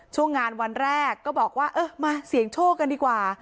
ช่วงงานวันแรกก็บอกว่าเออมาเสี่ยงโชคกันดีกว่า